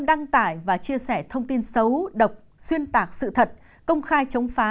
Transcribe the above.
đăng tải và chia sẻ thông tin xấu độc xuyên tạc sự thật công khai chống phá